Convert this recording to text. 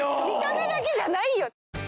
見た目だけじゃないよ。